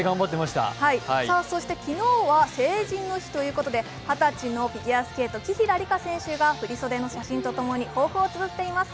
そして昨日は成人の日ということで二十歳のフィギュアスケート紀平梨花選手が振り袖の写真とともに抱負をつづっています。